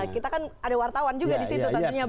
kita kan ada wartawan juga disitu